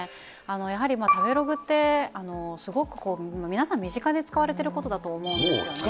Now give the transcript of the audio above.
やはり食べログって、すごく皆さん身近で使われてることだと思うんですよね。